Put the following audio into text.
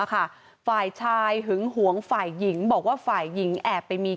ค่ะฝ่ายชายหึงหวงฝ่ายหญิงบอกว่าฝ่ายหญิงแอบไปมี